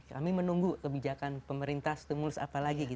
kami menunggu kebijakan pemerintah stimulus apa lagi